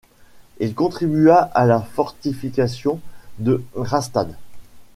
Il contribua à la fortification de Rastatt.